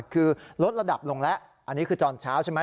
คือลดระดับลงแล้วอันนี้คือตอนเช้าใช่ไหม